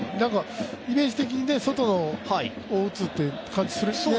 イメージ的に外を打つという感じがしますね。